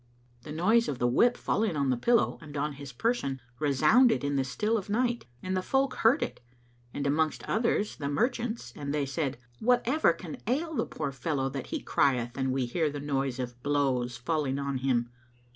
The noise of the whip falling on the pillow and on his person resounded in the still of night and the folk heard it, and amongst others the merchants, and they said, "Whatever can ail the poor fellow, that he crieth and we hear the noise of blows falling on him?